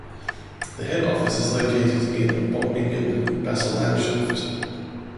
The head office is located in Bottmingen, Basel-Landschaft.